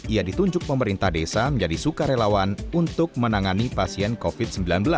ia ditunjuk pemerintah desa menjadi sukarelawan untuk menangani pasien covid sembilan belas